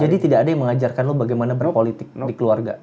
jadi tidak ada yang mengajarkan lo bagaimana berpolitik di keluarga